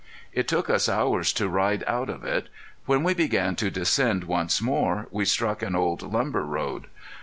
It took us hours to ride out of it. When we began to descend once more we struck an old lumber road.